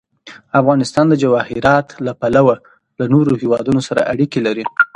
افغانستان د جواهرات له پلوه له نورو هېوادونو سره اړیکې لري.